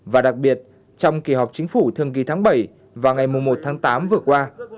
và đặc biệt trong kỳ họp chính phủ thường kỳ tháng bảy vào ngày một tháng tám vừa qua